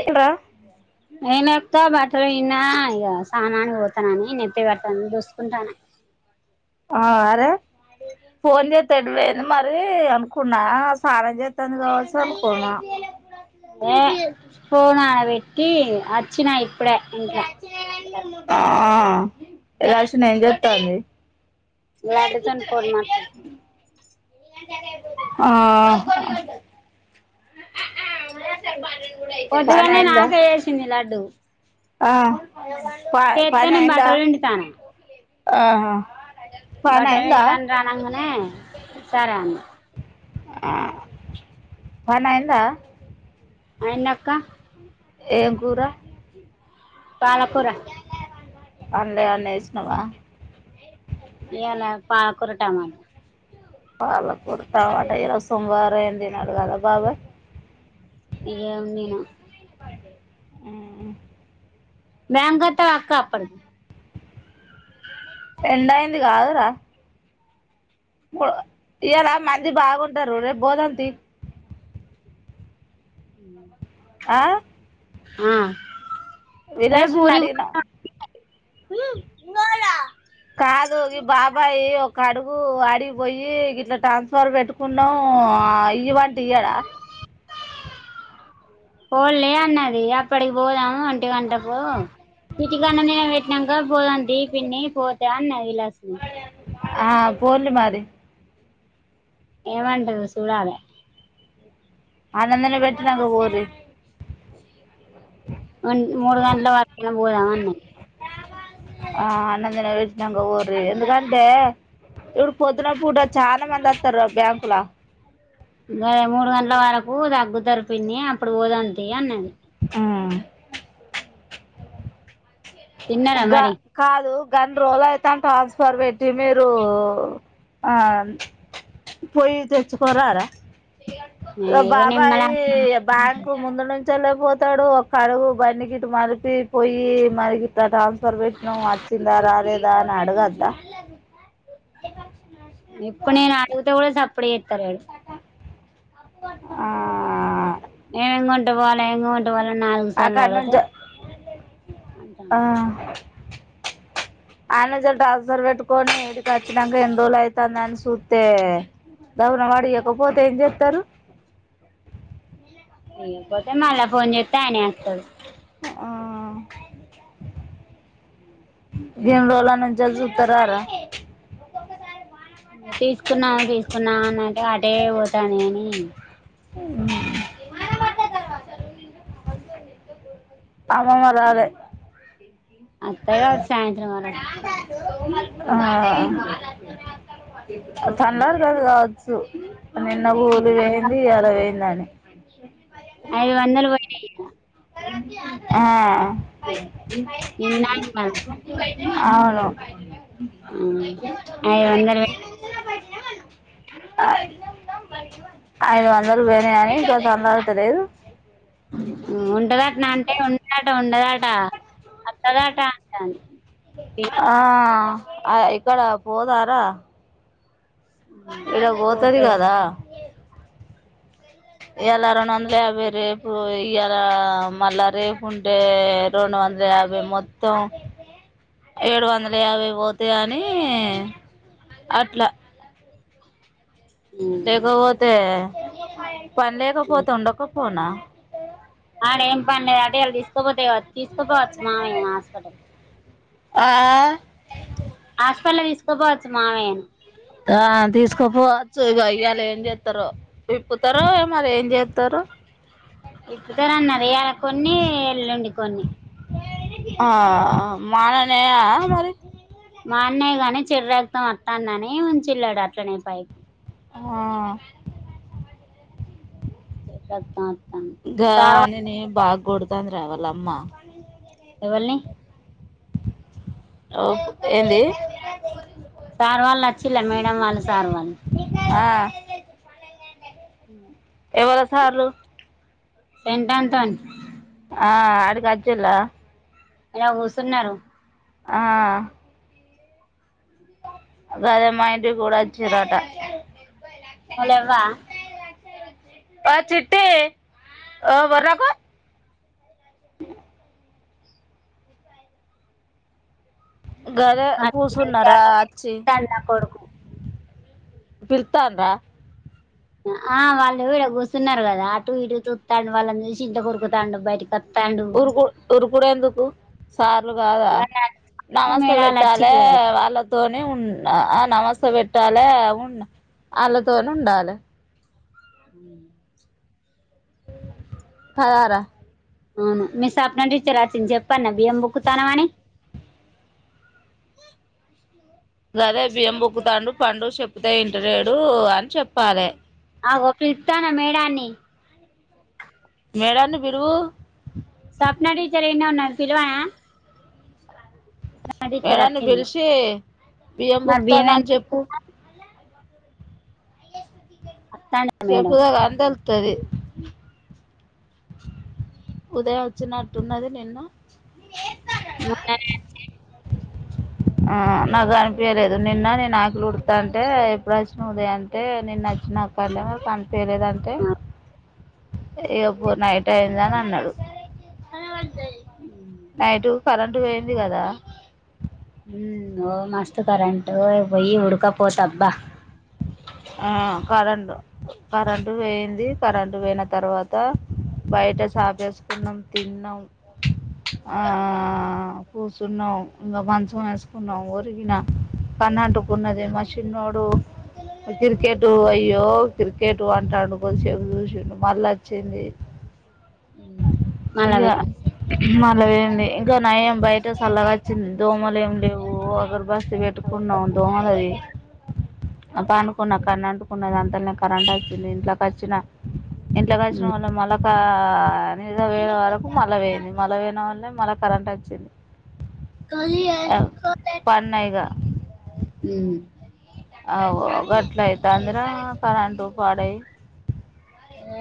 ఏంట్రా ఎనత బట్ ఇన్న ఇ సహనానికి పోతనని నే రే పడతాన ని దసుకుంటాన ఆ ఆరే ఫోన్ చేతే అటువోయింది మరి అనుకున్నా సన చేస్తంది గావచ్చు అనుకున్నా ఏ ఫోన్ ఆడ పెట్టి వచ్చినాయి ఆ రాసిన ఏం చెతంది లడ్డుతోని ఫోన్ మాట్లాడుతాను ఆ పని కొద్దిగానే అయిందా నాకేేసింది లడ్డు ఆ ప పని చేతోనే అయిందా బట్రోలు పిండు తా ఆహా పని బట్రవిం అయిందా దనంగానే సరే అన్న ఆ పని అయిందా అయిందా అక్క ఏం కూరా పాలకూర అలా ఏం అన్న ఏసినవ? ఇయల పాలకూర టమాటా పాలకూర టమాటా ఇయల సోమవారం ఏ తినడు కదా బాబాయ్? ఏం తిన హమ్మ బ్యాంక్ ఆతవ అక్క అప్పడికి ఎండ అయింది కాదురా [unintelligible] ఇయల మంది బాగుంటారు రేప్ పొద్దంతే ఉహ్ ఆ ఆ రేపు విలాషుడిని ఊరికి అడిగిన పోతాం కాదు ఈ బాబాయ్ ఓ కడుగు అడిగి పోయి ఇట్లా ట్రాన్స్ఫర్ పెట్టుకున్నాం ఇయిమంటే ఇయడా? పోలే అన్నది అప్పటికి పోదాం అన్ ఒంటి గంటకు సిటీ కండ నే పెట్టినాక పోదాం థీ పిన్ని పోతే అన్నది లక్ష్మీ ఆ పోర్లి మారీ ఏమంటదో చూడాలి అనందనే పేటినాక పోన్లి వన్ మూడు గంటల వరకనా పోదాం అన్నది ఆ ఆనందన వచ్చినక పోన్లి, ఎందుకంటే ఇప్పుడు పొద్దున పూట చాలా మంది వస్తారు బ్యాంకులా నే మూడు గంటల వరకు తాగుతారు పిన్ని అప్పుడు పోదాం థీ పిన్ని అన్నది. ఉహ్ తిన్నారా గ మరి కాదు గం రోల్ అయ్ తన్ ట్రాన్స్ఫర్ పెట్టి మీరు ఆ పొయి తెచ్చుకురారా ఇగ ఇగ బాబాయ్ నిమ్మలం బ్యాంక్ ముందు నున్ చల్లేపోతాడు ఒక ఆడుగు బడి గీటు మరిపి పోయి మరిగి గా ట్రాన్స్ఫర్ పెట్టినావ్ వచ్చిందా రాలేదా అని అడగద్దా? ఇప్పు నెన్ అడుగుతే కూడా సాప్ ఇప్పుడు చేతలేదు ఆ ఏం అంటావో నేన్ పోన్ ఇవల్ల నాలుగు సార్లు అక్కడ అడుగుతే నుంచి అంటాడు అది నుంచెలి ట్రాన్స్ఫర్ పెట్టుకొని ఈడికి వచ్చినాక ఎందుోజల అవుతుందని చూస్తే ధబున వాడు ఇ యకపోతే ఏం చేస్తారు ఇయకపోతే మల్ల ఫోన్ చేస్తే వాడే వస్తాడు ఆ ఉ ఏందోళనం జలుసుతారార తీసుకున్నా తీ వాళ్ళ న్నానంటే అటే పోతాని అని మ గవా అమ్మమ్మ రాలె అత్తయ్య వా సాయంత్రం వరో ఆ సన్నోడు కా సో నిన్న చుతే అది ఇయ్యాల పోయిందనే అయిదు వందలు పోయినాయి ఆ నిన్న ఇవాళ అవును ఉమ్ ఐదు వందలు ఆ ఐదు వందలు బిర్యానీ తొందర అయితది ఉంటద అంటే ఉన్నాడు ఉండదటా అత్తద టాంట ఆ ఆ ఇక్కడ పోదారా ఇలా పోతది కదా క ఇయ్యాల రెండు వందల యాభై రేపు ఇ ఇయ్యలా మళ్ళా రేపు ఉంటే రెండు వందల యాభై మొత్తం ఏడు వందల యాభై పోతే అనీ అట్లా ఉమ్ లేకపోతేనా రూపాయ్ ఐదు పని లేకపోతే ఉండకపోనా ఆడేం పనిలేదు అట ఇయాల తీసుకోపోతే తీసుకోపోవచ్చు మామయ్య ని హాస్పిటల్. ఆ హాస్పటల్ తీసుకోపోవచ్చు మావయ్యను ఆ తీసుకోపోవచ్చు ఇగా ఇయ్యాల ఏం చేత్తరో విప్పుతరో మరి ఏం చేత్తరో ఇప్పుతరు అన్నరు. ఇయాలా కొన్ని, ఎల్లుండి కొన్ని. ఆ మానినయా మరి మానినయ్ గాని చెడురక్తం అత్తాందని ఉంచిళ్ళట అట్లనే పైపు ఆ చెడు రక్తం వత్తాంది గా సార్ హనిని బాగ్ గొడతంది. అట వాళ్ళ అమ్మ ఎవల్ని ఓ పు ఏంది సార్ వాళ్ళు అచ్చిల్ల మేడం వాళ్ళు, సార్ వాళ్ళు ఆ హు ఎవరు సార్లు టెంటాంటన్ ఆ ఆడికచ్చిల్ల ఈడ కూసున్నరు. ఆ గదే మా ఇంటి కూడా అచ్చిరాట నువ్వు లేవ్వా ఒ చిట్టి ఒ వొర్రకు గదె కూర్చున్నరా అచ్చి నా కొడుకు పిల్తాండ్రా ఆ వాళ్ళు ఈడ కుసున్నరు కదా అటు ఇటు చుస్తాండు, వాళ్ళను చూసి ఇంట్లకి ఉరుకుతాండు, బయటకి వత్తాండు ఉరుకు ఉరుకుడు ఎందుకు సార్లు కాదా నమస్తే మేడాలు పెట్టాలె వచ్చింది కదా వాళ్ళతో అని ఉన్న ఆ నమస్తే పెట్టాలె ఉన్న అళ్ళతోని ఉండాలె. ఉ పదారా అవును మీ సప్న టీచర్ అచ్చింది చెప్ ప్పన్న బియ్యం బుక్కుతనవని. గదే బియ్యం బుక్కుతాండు పండు చెప్తే ఇంటలేడు అని చెప్పాలె ఆగో పీల్తనా మేడాన్ని మేడాన్ని పిలువు సప్న టీచర్ ఇన్నే ఉన్నది పిలువనా మేడం నీ వచ్చింది పిలిసి బియ్యం మరి బుక్కుతాండని ఎందుకు చెప్పు బుక్కుతాంది అ వత్తాండా మేడం చెప్పుతే కానీ తె తది ఉదయ వచ్చినట్టున్నది నిన్ను మ [unintelligible] ఆహ్ నాకు కనిపియలేదు నిన్న నేను యాకులు ఉడతంటే ఎప్పుడు వచ్చిన ఉదయటే అంటే నిన్న నచ్చినాక్క అంటే మరి కనిపేలేదంటే వచ్చింది ఇప్పు నైట్ అయింద అన్నాడు సర వాళ్ళదయి నైటూ కరెంటు పోయింది కదా అవ్ మస్తు కరెంటు పోయి ఉడకపోత అబ్బా ఆహ్ కరెంటు కరెంటు పోయింది కరెంటు పోయిన తర్వాత బయట సాపేసుకున్నాం తిన్నాం ఆహ్ కూచున్నాం ఇంకా మంచం వేసుకున్నాం ఒరిగిన కన్న అంటుకున్నదే మా చిన్నోడు క్రికెటు అయ్యో క్రికెటూ అంటాడు కొద్దిసేపు చూసిండు మల్ల వచ్చింది ఉమ్ మళ్ళ ఇగా వె- మళ ఏంది ఇంకా నయం బయట సల్లగా వచ్చింది దోమలు ఏం లేవు అరు బస్ పెట్టుకున్నాం దోమ లది అప్ప అను మొన్న కన్ను అంటుకున్నది అంతలానే కరెంట్ వచ్చింది ఇంట్లోకి వచ్చిన ఇంట్లోకి వచ్చిన ఉమ్ వాల్ల మొలక నిద వేన వరకు మళ్ళ వేయింది మళ వేయిన వాల్లే మళ్ళ కరెంట్ వచ్చింది కలిఎహ్ హమ్ పన్నా గట్లఅయితందిర పని పాడై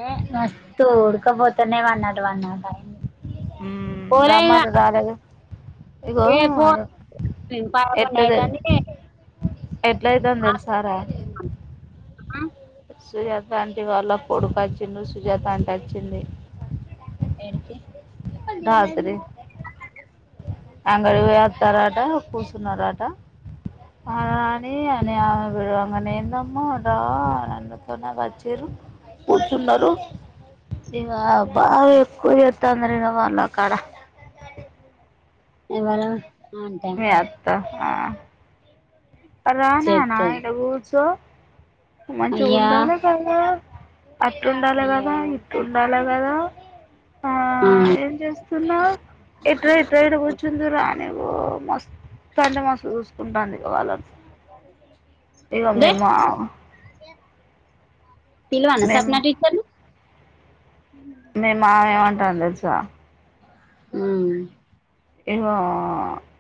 ఏ మాస్తు ఊడకపోతనే వన్ నాట్ వన్ నాట్ అంది హమ్ రమంటే రాలేదు ఇగో ఏ పో పదకొండు ఎట్ అయితాంది ఎట్లైతుందో తెలుసారా ఆ, సుజాత అంటి వాళ్ళ కొడుకు ఆచిండు సుజాత అంటి వచ్చింది ఎడికి రాత్రి అంగడి పోయి వాతరాట కూర్చున్నార ఆట రాని అని అమే పిలవంగానే ఏందమ్మా రా అతోనే [unintelligible] వచ్చిరూ పోతున్నారు ఇగా బావ ఎక్కు తొంద్రిగా పోలకాడ ఇవళ మీ అత్త ఆహ్ రా నాన్న చెప్తది ఇడ కూర్చో మంచి అయ్యా ఉండాల కాదా అట్లా ఉండాలే కథ అయ్యో ఇట్ల ఉండాలే వెర ఆ ఏం చేస్తున్నావు ఇటు రా ఇటు రా ఇటు కూర్చుందువు రా అని నీవు మస్తు అంటే మస్తు ఉంటుంది కావాలర్ దే ఇవమేమా పిల్వానా సప్నా టీచర్ నీ మే మామ ఏమంటా తెలుసా అ ఇగో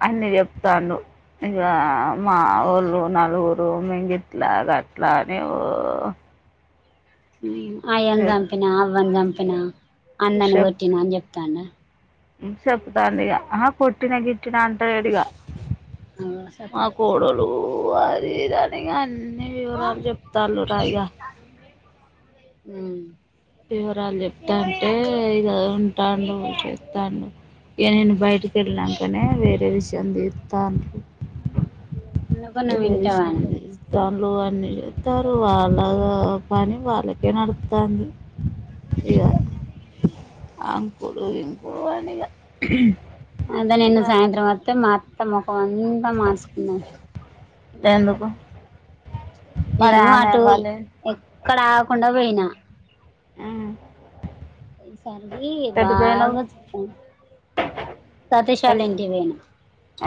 అన్ని చెప్తాను ఇక మా ఊళ్ళు నలుగురు మింగిట్లా అట్లాని [inaudible] వందంపిన అన్నని కొట్టిన అని చెప్తున్నారు చెప్తాం ఇక ఆ కొట్టిన గిట్టిన అంటలేడుగ మా సపరేట్ వచ్చేది కోడళు అ తీదనిన్ వివరాలు చెప్తలు రాయ వివరాలు చెప్తాంటే ఇక ఉంటాడు చేస్తాడు ఇక నేను బయటికి వెళ్ళినాకనే వేరే విషయం తీస్తాను అన్నకుణ వింటావాని దాంట్లో అన్నీ చెస్తారు వాళ్ళ పని వాళ్ళకే నడుతంది హ అ కుడు ఇం కుడువానిగా అంట నిన్న సాయంత్రం వత్త మ తమ అంత మార్చుకుందను ఎందుకు మరి నేను ఆమె అటు వాళ్ళు ఎక్కడ ఆకుండా పోయినా ఆ అ సర బాగా చె ఎటు తతషాలంటికి పోయిన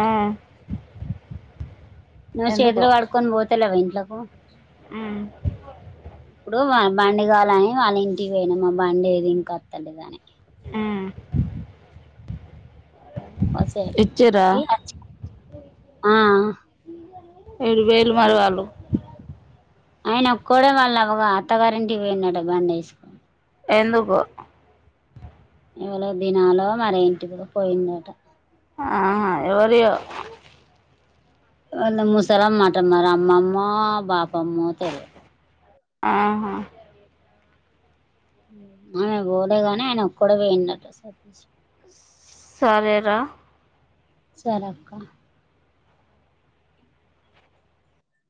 ఉమ్, నువ్ చేతిలో వాడుకొ పోతేలవై లాకు ఆ అప్పుడు బండి కాలని వాళ్ళ ఇంటికి పోయినాం ఆ బండి ఏది ఇంక స్తలేదని ఆ ఇచ్చిర్రా వ ఏడు వేలు మరవాళ్ళు ఆయన ఒక్కడ వాళ్ళు అ అత్తగారింటి పోయినడు బం వేసుకని ఎందుకు ఎవళ దినాలో మరేంటిది పోయిందట ఆహా ఎవరిో అ మూసెల మాట మార అమ్మామ్మ పాప అమ్మ తెలి ఆహా ఆమె పోదేగాని ఆయన ఒక్కడ పోయినట్టు సతీ సరరా చాలక్క